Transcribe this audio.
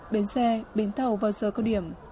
bến xe bến tàu vào giờ cao điểm